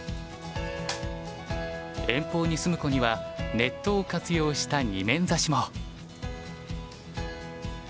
遠方に住む子にはネットを活用した２面指しも。